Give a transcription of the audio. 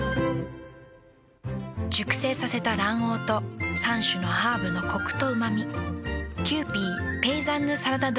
熟成させた卵黄と３種のハーブのコクとうま味。